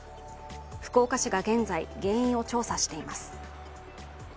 福岡市が現在、原因を調査しています。